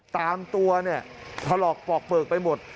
ตามตัวถลอกปอกเปลือกไปหมด